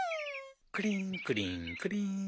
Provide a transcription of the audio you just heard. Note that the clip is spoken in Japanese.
クリーンクリーンクリーン。